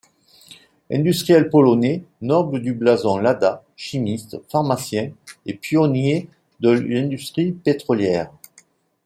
Industriel polonais, noble du blason Łada, chimiste, pharmacien et pionnier de l'industrie pétrolière.